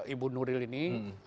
ibu nuril ini